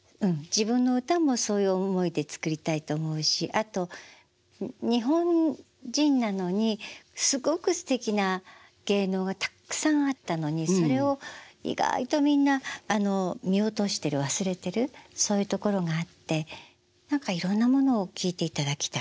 自分の歌もそういう思いで作りたいと思うしあと日本人なのにすごくすてきな芸能がたっくさんあったのにそれを意外とみんな見落としてる忘れてるそういうところがあって何かいろんなものを聴いていただきたい。